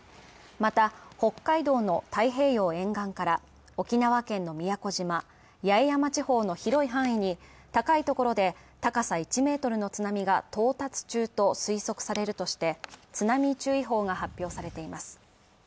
また、北海道の太平洋沿岸から、沖縄県の宮古島・八重山地方の広い範囲に高いところで高さ１ｍの津波が到達中と推測されるとして、津波注意報が発表されています。